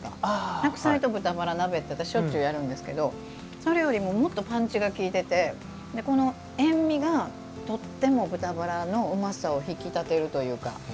白菜と豚バラ鍋って私しょっちゅうやるんですけどそれよりももっとパンチが利いてて塩みがとっても豚バラのうまさを引き立てるというか。